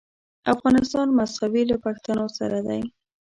افغانستان مساوي له پښتنو سره دی.